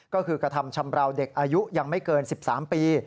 ก็คือกระทำชำราวเด็กอายุยังไม่เกิน๑๓ปี